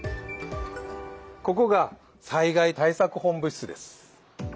ここが災害対策本部室です。